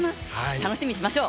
楽しみにしましょう。